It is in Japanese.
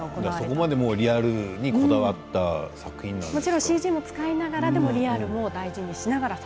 そこまでリアルにこだわっているんですね。